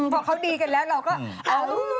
พอเขาดีกันแล้วเราก็เอา